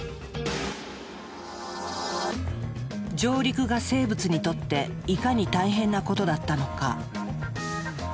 上陸が生物にとっていかに大変なことだったのか。